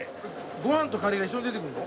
ご飯とカレーが一緒に出てくるの？